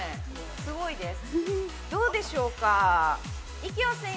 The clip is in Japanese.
すごいです。